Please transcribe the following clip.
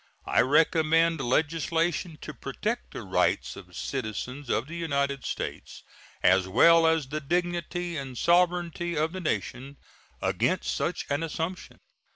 I recommend legislation to protect the rights of citizens of the United States, as well as the dignity and sovereignty of the nation, against such an assumption.